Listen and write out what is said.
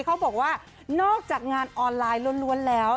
เขาบอกว่านอกจากงานออนไลน์ล้วนแล้ว